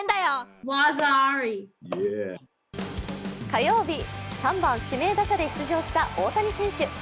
火曜日、３番・指名打者で出場した大谷選手。